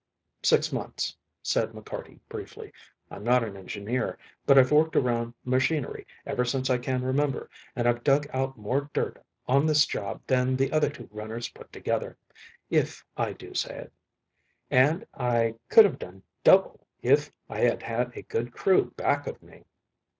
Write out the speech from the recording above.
"Six months," said McCarty briefly. "I'm not an engineer, but I've worked around machinery ever since I can remember, and I've dug out more dirt on this job than the other two runners put together, if I do say it, and I could have done double if I had had a good crew back of me."